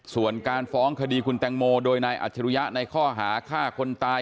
ส่วนการฟ้องคดีคุณแตงโมโดยนายอัจฉริยะในข้อหาฆ่าคนตาย